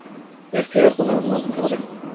এর কি আর কোনো মানে হতে পারে?